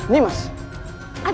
tidak ada apa apa